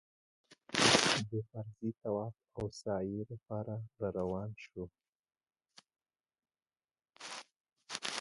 د فرضي طواف او سعيې لپاره راروان شوو.